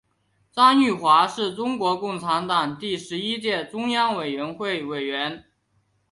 张玉华是中国共产党第十一届中央委员会委员。